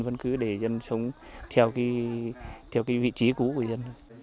vẫn cứ để dân sống theo cái vị trí cũ của dân thôi